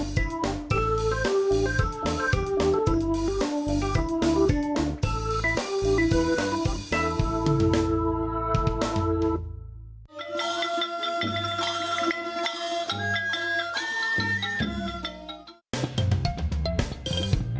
โปรดติดตามตอนต่อไป